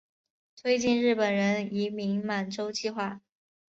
推进日本人移民满洲计划。